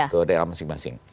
ke daerah masing masing